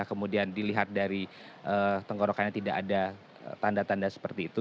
kemudian dilihat dari tenggorokannya tidak ada tanda tanda seperti itu